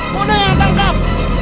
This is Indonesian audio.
kok ada yang tangkap